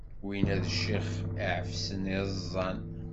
Winna d ccix iɛefsen iẓẓan.